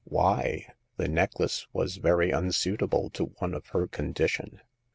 " Why ? The necklace was very unsuitable to one of her condition."